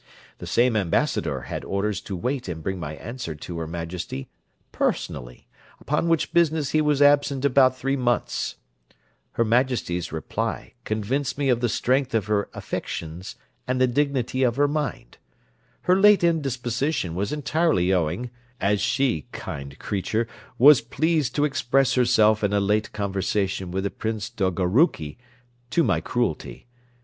The same ambassador had orders to wait and bring my answer to her majesty personally, upon which business he was absent about three months: her majesty's reply convinced me of the strength of her affections, and the dignity of her mind; her late indisposition was entirely owing (as she, kind creature! was pleased to express herself in a late conversation with the Prince Dolgoroucki) to my cruelty.